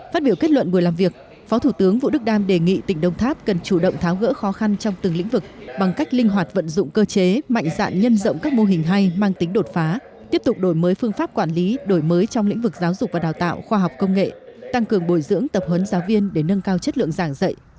phát biểu kết luận buổi làm việc phó thủ tướng vũ đức đam đề nghị tỉnh đông tháp cần chủ động tháo gỡ khó khăn trong từng lĩnh vực bằng cách linh hoạt vận dụng cơ chế mạnh dạn nhân rộng các mô hình hay mang tính đột phá tiếp tục đổi mới phương pháp quản lý đổi mới trong lĩnh vực giáo dục và đào tạo khoa học công nghệ tăng cường bồi dưỡng tập hấn giáo viên để nâng cao chất lượng giảng dạy